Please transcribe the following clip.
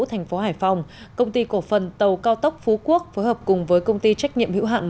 thành phố hải phòng công ty cổ phần tàu cao tốc phú quốc phối hợp cùng với công ty trách nhiệm hữu hạn